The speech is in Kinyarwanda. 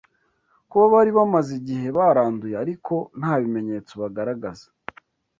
kuba bari bamaze igihe baranduye ariko nta bimenyetso bagaragaza